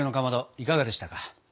いかがでしたか？